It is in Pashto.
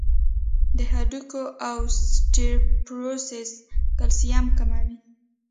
د هډوکو اوسټيوپوروسس کلسیم کموي.